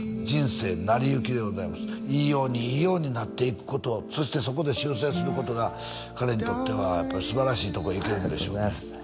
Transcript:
人生成り行きでございますいいようにいいようになっていくことそしてそこで修正することが彼にとってはやっぱり素晴らしいとこいけるんでしょうね